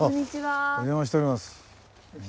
お邪魔しております。